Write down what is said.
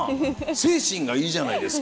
精神がいいじゃないですか。